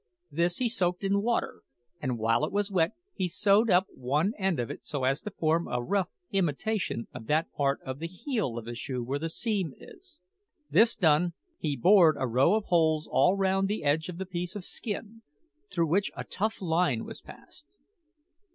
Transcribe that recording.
This he soaked in water, and while it was wet he sewed up one end of it so as to form a rough imitation of that part of the heel of a shoe where the seam is. This done, he bored a row of holes all round the edge of the piece of skin, through which a tough line was passed.